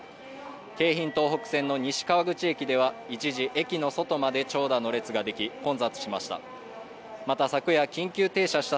京浜東北線の西川口駅では一時、駅の外まで長打の列ができ、混雑しました。